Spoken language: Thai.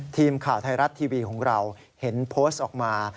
ทีมข่าวไทยรัฐทีวีของเราเห็นโพสต์ออกมา